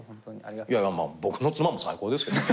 僕の妻も最高ですけど。